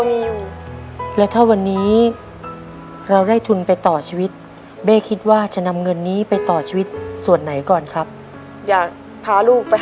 อยากพาลูกไปหาหมอก่อนเลยค่ะ